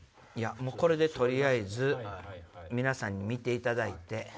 これで取りあえず皆さんに見ていただいて。